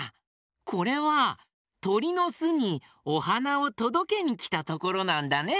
これはとりのすにおはなをとどけにきたところなんだね。